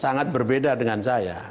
sangat berbeda dengan saya